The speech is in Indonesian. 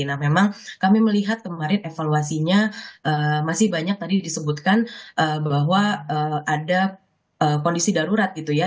nah memang kami melihat kemarin evaluasinya masih banyak tadi disebutkan bahwa ada kondisi darurat gitu ya